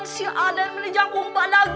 si aden menjenguk padaku